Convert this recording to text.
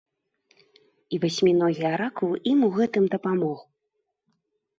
І васьміногі аракул ім у гэтым дапамог.